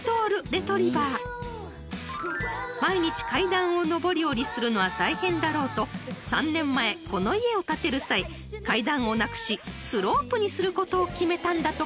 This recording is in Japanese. ［毎日階段を上り下りするのは大変だろうと３年前この家を建てる際階段をなくしスロープにすることを決めたんだとか］